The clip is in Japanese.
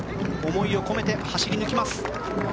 思いを込めて走り抜きます。